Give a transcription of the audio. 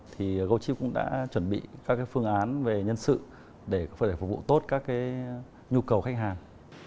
thì gochip cũng đã chuẩn bị các cái phương án về nhân sự để phục vụ tốt các cái nhu cầu khách hàng